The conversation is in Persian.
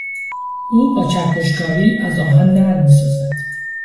او با چکشکاری از آهن نعل میسازد.